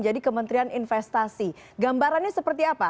jadi kementerian investasi gambarannya seperti apa